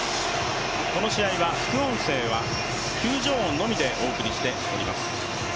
この試合は副音声は球場音のみでお送りしています。